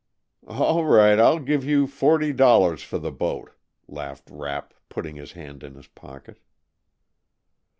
"All right, I'll give you forty dollars for the boat," laughed Rapp, putting his hand in his pocket.